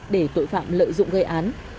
để tội phạm lợi dụng gây án